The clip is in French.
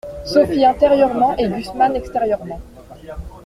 Sophie intérieurement et Gusman extérieurement.